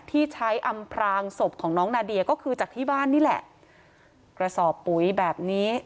ที่ใช้อำพรางศพของน้องนาเดียก็คือจากที่บ้านนี่แหละกระสอบปุ๋ยแบบนี้